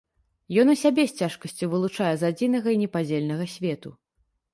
Ён і сябе з цяжкасцю вылучае з адзінага і непадзельнага свету.